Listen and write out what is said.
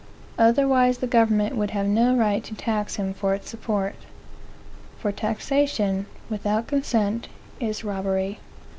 Otherwise the government would have no right to tax him for its support, for taxation without consent is robbery.